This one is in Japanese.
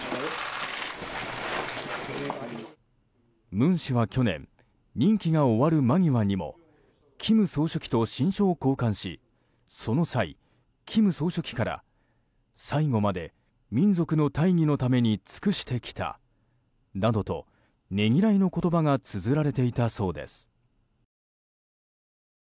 文氏は去年、任期が終わる間際にも金総書記と親書を交換しその際、金総書記から最後まで民族の大義のために尽くしてきたなどとねぎらいの言葉がつづられていたそうです。